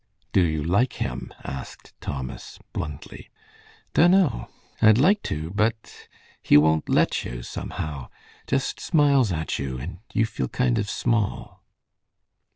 "Do you like him?" asked Thomas, bluntly. "Dunno. I'd like to, but he won't let you, somehow. Just smiles at you, and you feel kind of small."